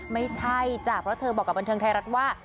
ไม่ใช่จ้ะเพราะเธอบอกกับบันเทิงไทยรัฐว่า